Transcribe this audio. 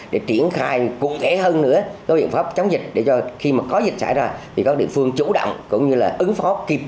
để triển khai cụ thể hơn nữa các biện pháp chống dịch để cho khi mà có dịch xảy ra thì các địa phương chủ động cũng như là ứng phó kịp